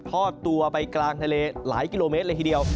ทอดตัวไปกลางทะเลหลายกิโลเมตรเลยทีเดียว